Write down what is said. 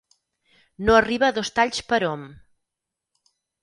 No arriba a dos talls perhom.